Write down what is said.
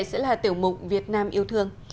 sẽ là tiểu mục việt nam yêu thương